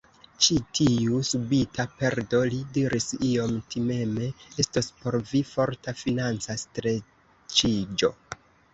Ĉi tiu subita perdo, li diris iom timeme, estos por vi forta financa streĉiĝo.